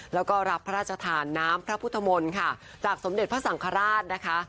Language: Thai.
แล้วก็รับพระราชทานน้ำพระพุทธมนต์ค่ะจากสมเด็จพระสังฆราชนะคะ